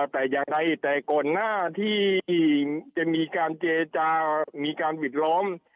แต่อย่างใดแต่ก่อนหน้าที่จะมีการเจจามีการปิดล้อม